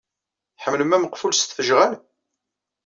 Tḥemmlem ameqful s tfejɣal?